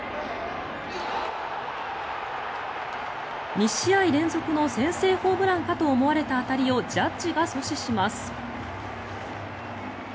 ２試合連続の先制ホームランかと思われた当たりをジャッジが阻止します。